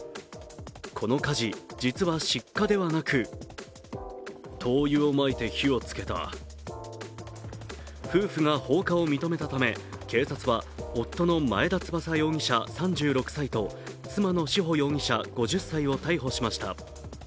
この火事、実は失火ではなく夫婦が放火を認めたため、警察は夫の前田翼容疑者３６歳と妻の志保容疑者５０歳を逮捕しました。